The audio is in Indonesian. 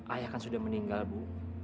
ayah kan sudah meninggal bu